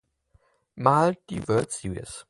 Mal die World Series.